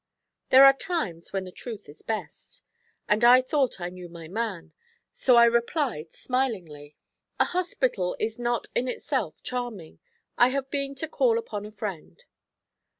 There are times when the truth is best; and I thought I knew my man, so I replied smilingly: 'A hospital is not in itself charming. I have been to call upon a friend.'